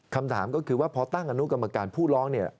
คำถามก็คือว่าพอตั้งอนุกรรมการผู้ร้องเนี่ย